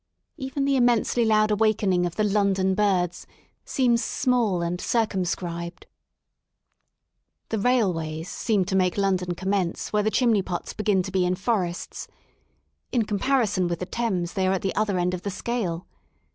Even the immensely loud awakening of the London birds seems small and circumscribed. The railways seem to make London commence where the chimney pots begin to be in forests* In comparison with the Thames they are at the other end of the scale.